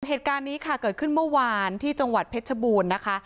เหตุการณ์นี้ค่ะเกิดขึ้นเมื่อวานที่จังหวัดเพชรบูรณ์นะคะ